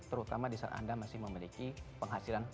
terutama jika anda masih memiliki penghasilan umr